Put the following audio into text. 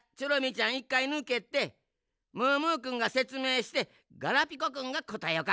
ちゃんいっかいぬけてムームーくんがせつめいしてガラピコくんがこたえよか。